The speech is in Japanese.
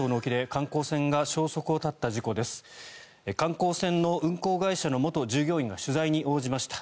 観光船の運航会社の元従業員が取材に応じました。